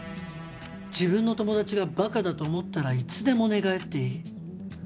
自分の友達が馬鹿だと思ったらいつでも寝返っていい。